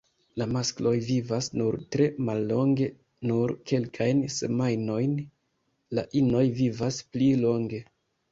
La maskloj vivas nur tre mallonge, nur kelkajn semajnojn, la inoj vivas pli longe.